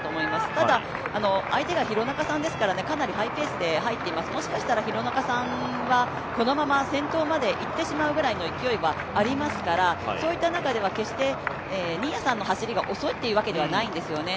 ただ相手が廣中さんですからかなりハイペースで入っています、もしかしたら廣中さんはこのまま先頭まで行ってしまうくらいの勢いはありますから、そういった中では決して新谷さんの走りが遅くっていうわけではないんですね。